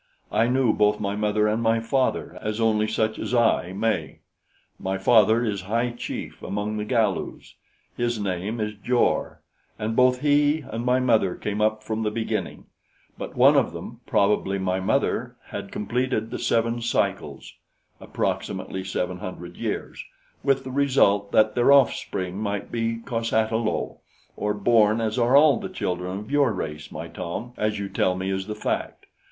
I knew both my mother and my father, as only such as I may. My father is high chief among the Galus. His name is Jor, and both he and my mother came up from the beginning; but one of them, probably my mother, had completed the seven cycles" (approximately seven hundred years), "with the result that their offspring might be cos ata lo, or born as are all the children of your race, my Tom, as you tell me is the fact.